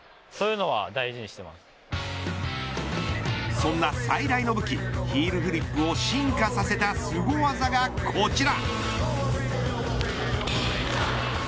そんな最大の武器ヒールフリップを進化させたすご技がこちら。